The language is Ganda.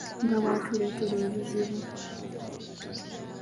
Nga bwatuleetera obuzibu!